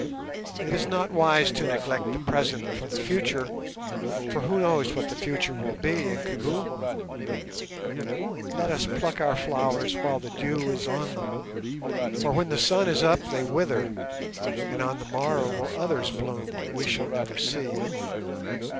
It is not wise to neglect the present for the future, for who knows what the future will be, Incubu? Let us pluck our flowers while the dew is on them, for when the sun is up they wither and on the morrow will others bloom that we shall never see."